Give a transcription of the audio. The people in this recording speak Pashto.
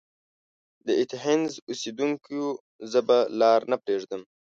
د ایتهنز اوسیدونکیو! زه به لار نه پريږدم.